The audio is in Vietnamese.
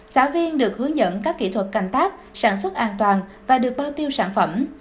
xã viên được hướng dẫn các kỹ thuật canh tác sản xuất an toàn và được bao tiêu sản phẩm